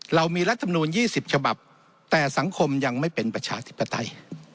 เรามีรัฐมนูล๒๐ฉบับแต่สังคมยังไม่เป็นประชาธิปไตย